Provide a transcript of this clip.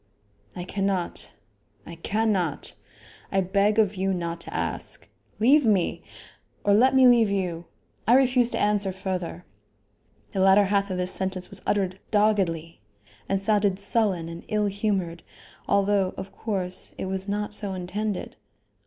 "I cannot; I cannot. I beg of you not to ask. Leave me! or let me leave you. I refuse to answer further." The latter half of this sentence was uttered doggedly and sounded sullen and ill humored, although, of course, it was not so intended.